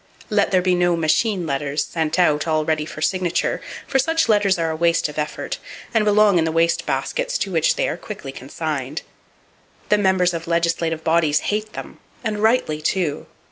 Let there be no "machine letters" sent out, all ready for signature; for such letters are a waste of effort, and belong in the waste baskets to which they are quickly consigned. The members of legislative bodies hate them, and rightly, too.